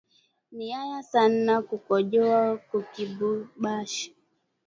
Ni aya sana kukojoa kukibumbashi